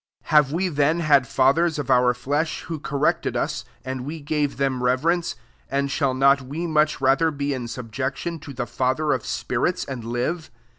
9 Have we then had fathers of our flesh, who corrected us, and we gave tkem reverence: tmd shall not we much rather be in subjection to the Father of spirits, and live?